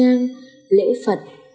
ngang lễ phật